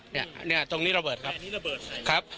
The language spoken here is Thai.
เนี่ยเนี่ยตรงนี้ระเบิดครับตรงนี้ระเบิดใส่ครับ